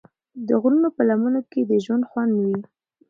د غرونو په لمنو کې د ژوند خوند وي.